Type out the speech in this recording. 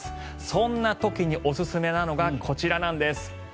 そんな時におすすめなのがこちらなんです。